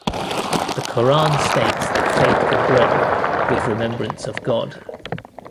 The Quran states that faith can grow with remembrance of God.